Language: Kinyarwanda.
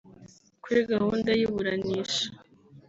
Kuri gahunda y’iburanisha